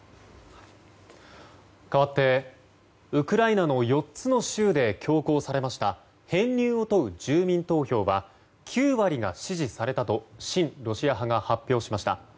かわってウクライナの４つの州で強行されました編入を問う住民投票は９割が支持されたと親ロシア派が発表しました。